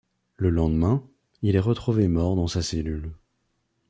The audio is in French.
Le lendemain, il est retrouvé mort dans sa cellule.